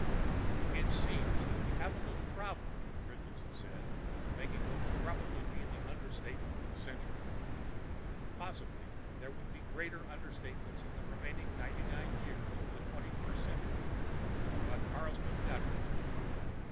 "It seems that we have a little problem," Christianson said, making what would probably be the understatement of the century. Possibly there would be greater understatements in the remaining ninety nine years of the Twenty first Century, but Carlstrom doubted it.